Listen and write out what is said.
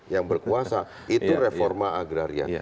yang berkuasa itu reforma agraria